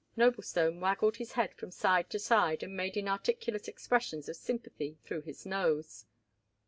Noblestone waggled his head from side to side and made inarticulate expressions of sympathy through his nose.